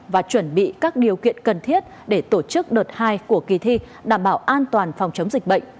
và chuẩn bị các điều kiện cần thiết để tổ chức đợt hai của kỳ thi đảm bảo an toàn phòng chống dịch bệnh